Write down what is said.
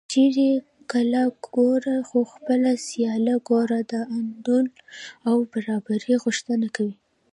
چېرې کلاله ګوره خو خپله سیاله ګوره د انډول او برابرۍ غوښتنه کوي